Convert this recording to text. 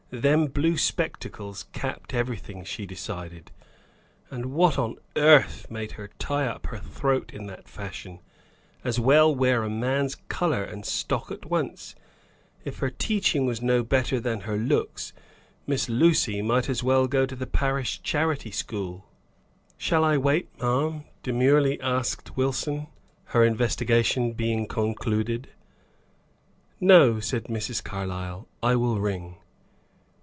Them blue spectacles capped everything, she decided; and what on earth made her tie up her throat in that fashion? As well wear a man's color and stock at once! If her teaching was no better than her looks, Miss Lucy might as well go to the parish charity school! "Shall I wait, ma'am?" demurely asked Wilson, her investigation being concluded. "No," said Mrs. Carlyle. "I will ring."